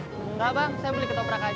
enggak bang saya beli ketobrak aja